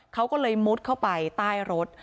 เขาก็เลยมุดเข้าไปใต้รถ